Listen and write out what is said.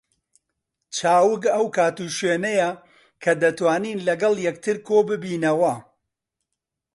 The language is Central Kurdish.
چاوگ ئەو کات و شوێنەیە کە دەتوانین لەگەڵ یەکتر کۆ ببینەوە